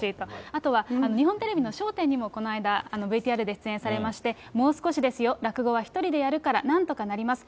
あとは日本テレビの笑点にもこの間、ＶＴＲで出演されて、もう少しですよ、落語は１人でやるから、なんとかなります。